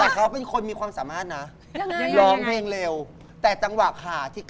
ขอดูสักหนึ่งบทเพลงได้ไหม